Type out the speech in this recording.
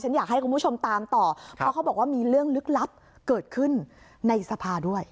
อยากให้คุณผู้ชมตามต่อเพราะเขาบอกว่ามีเรื่องลึกลับเกิดขึ้นในสภาด้วย